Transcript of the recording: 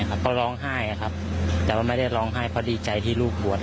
ก็ร้องไห้แต่ไม่ได้ร้องไห้เพราะดีใจที่ลูกบ่วน